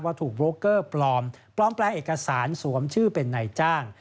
ถูกโบรกเกอร์ปลอมปลอมแปลเอกสารสวมชื่อเป็นนายจ้าง